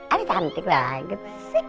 aduh cantik banget